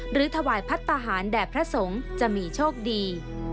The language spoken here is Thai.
หรือถวายพัฒนาหารแด่พระสงฆ์จะมีโชคดี